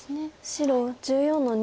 白１４の二。